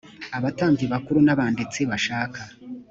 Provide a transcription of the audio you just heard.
abatambyi bakuru n abanditsi bashaka